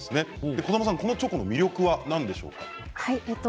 児玉さん、このチョコの魅力は何でしょう？